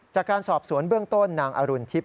จากการสอบสวนเบื้องต้นนางอรุณทิพย